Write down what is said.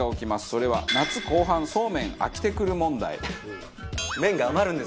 それは夏後半そうめん飽きてくる問題。